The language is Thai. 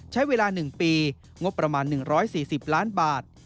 ใช้เวลา๑ปีงบประมาณ๑๔๐ล้านบาท